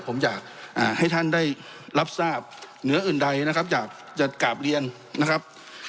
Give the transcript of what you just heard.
ผมอยากให้ท่านได้รับทราบเหนืออื่นใดนะครับอยากจะกราบเรียนนะครับ